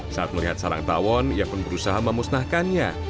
saat melihat sarang tawon ia pun berusaha memusnahkannya